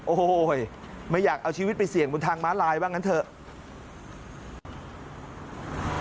โอ้โหไม่อยากเอาชีวิตไปเสี่ยงบนทางมารายบ้างเลย